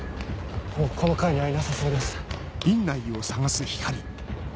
もうこの階にはいなさそうです。